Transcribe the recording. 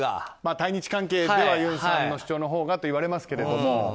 対日関係ではユンさんの主張のほうがといわれますけど。